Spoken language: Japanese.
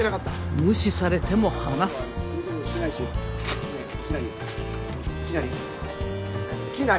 「無視されても話す」ねえきなり。